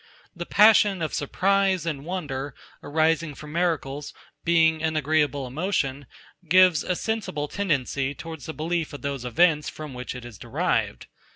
The passion of surprise and wonder, arising from miracles, being an agreeable emotion, gives a sensible tendency towards the belief of those events, from which it is derived.